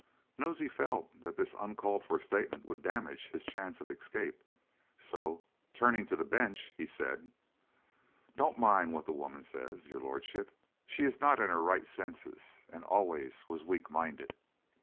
Nosey felt that this uncalled for statement would damage his chance of escape, so, turning to the bench, he said: "Don't mind what the woman says, your lordship; she is not in her right senses, and always was weak minded."